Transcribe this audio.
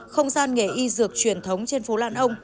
không gian nghề y dược truyền thống trên phố lan ông